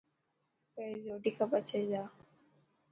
پهرين روٽي کا پڇي جا.